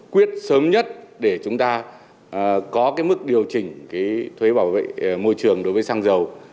quyết sớm nhất để chúng ta có mức điều chỉnh thuế bảo vệ môi trường đối với xăng dầu